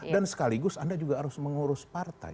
dan sekaligus anda juga harus mengurus partai